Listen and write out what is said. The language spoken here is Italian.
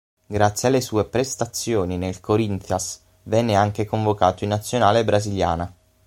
Grazie alle sue prestazioni nel Corinthians, venne anche convocato in Nazionale brasiliana.